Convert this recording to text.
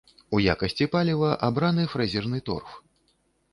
У якасці паліва абраны фрэзерны торф.